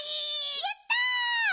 やった！